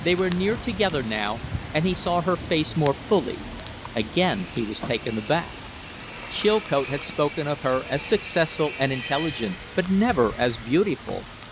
They were near together now, and he saw her face more fully. Again he was taken aback. Chilcote had spoken of her as successful and intelligent, but never as beautiful.